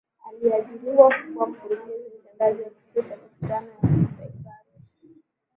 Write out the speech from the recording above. Aliajiriwa kuwa Mkurugenzi Mtendaji wa Kituo cha Mikutano ya Kimataifa Arusha